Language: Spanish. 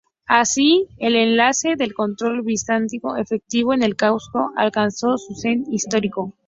Así, el alcance del control bizantino efectivo en el Cáucaso alcanzó su cenit histórico.